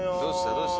どうした？